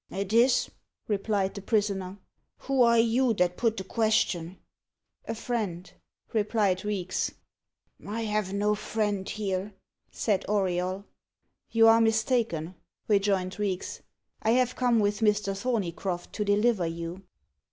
"It is," replied the prisoner. "Who are you that put the question?" "A friend," replied Reeks. "I have no friend here," said Auriol. "You are mistaken," rejoined Reeks. "I have come with Mr. Thorneycroft to deliver you."